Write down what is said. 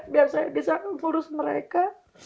biar saya bisa ngurus mereka